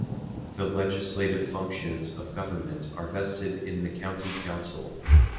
The legislative functions of government are vested in the County Council.